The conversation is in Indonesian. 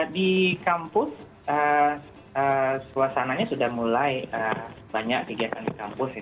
di kampus suasananya sudah mulai banyak kegiatan di kampus ya